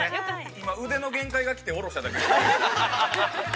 ◆今、腕の限界が来て、おろしただけです。